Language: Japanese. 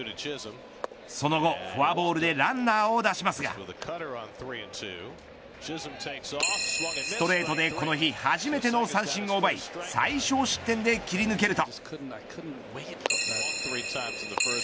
その後、フォアボールでランナーを出しますがストレートでこの日初めての三振を奪い最少失点で切り抜けると。